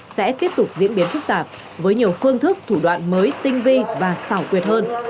sẽ tiếp tục diễn biến phức tạp với nhiều phương thức thủ đoạn mới tinh vi và xảo quyệt hơn